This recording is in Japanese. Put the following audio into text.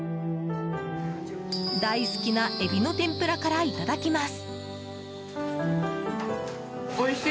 大好きなエビの天ぷらからいただきます。